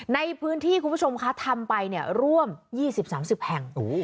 ในพื้นที่คุณผู้ชมคะทำไปเนี่ยร่วมยี่สิบสามสิบแห่งโอ้โห